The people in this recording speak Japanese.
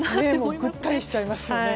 ぐったりしちゃいますよね。